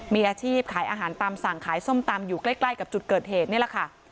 มีอาชีพขายอาหารตามสั่งขายส้มตำอยู่ใกล้กับจุดเกิดเหตุนี่แหละค่ะ